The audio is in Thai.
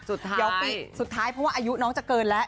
เดี๋ยวปีสุดท้ายเพราะว่าอายุน้องจะเกินแล้ว